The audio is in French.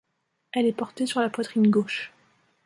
Elle est portée sur la poitrine gauche.